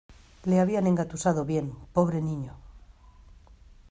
Le habían engatusado bien, pobre niño.